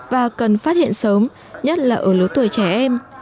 và cần phát hiện sớm nhất là ở lứa tuổi trẻ em